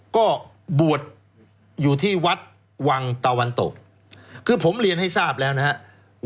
ก็บวชอยู่ที่วัดวังตะวันตกคือผมเรียนให้ทราบแล้วนะครับ